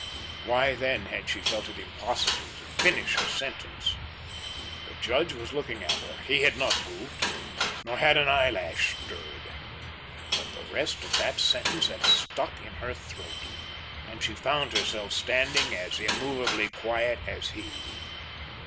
Why then had she felt it impossible to finish her sentence? The judge was looking at her; he had not moved; nor had an eyelash stirred, but the rest of that sentence had stuck in her throat, and she found herself standing as immovably quiet as he.